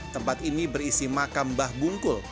tempat ini berisi makam mbah bungkul